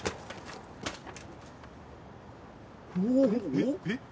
えっえっ？